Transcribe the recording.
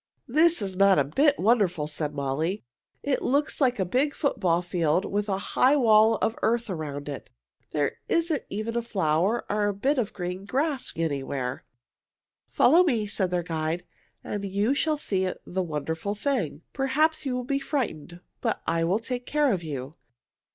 "This is not a bit wonderful," said Molly. "It looks like a big football field with a high wall of earth all around it. There isn't even a flower or a bit of green grass anywhere." "Follow me," said their guide, "and you shall see the wonderful thing. Perhaps you will be frightened, but I will take care of you."